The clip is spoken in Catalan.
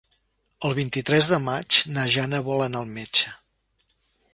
El vint-i-tres de maig na Jana vol anar al metge.